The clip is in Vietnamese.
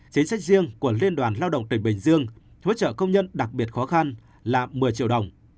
chính sách riêng của liên đoàn lao động tỉnh bình dương hỗ trợ công nhân đặc biệt khó khăn là một mươi triệu đồng